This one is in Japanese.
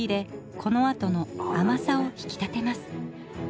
このあとのあまさを引き立てます。